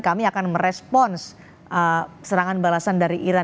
kami akan merespons serangan balasan dari iran